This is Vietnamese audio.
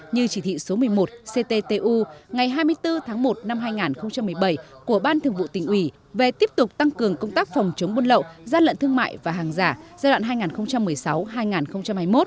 như chỉ thị số một mươi một cttu ngày hai mươi bốn tháng một năm hai nghìn một mươi bảy của ban thường vụ tỉnh ủy về tiếp tục tăng cường công tác phòng chống buôn lậu gian lận thương mại và hàng giả giai đoạn hai nghìn một mươi sáu hai nghìn hai mươi một